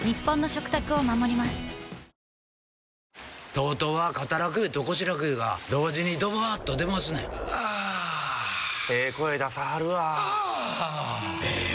ＴＯＴＯは肩楽湯と腰楽湯が同時にドバーッと出ますねんあええ声出さはるわあええ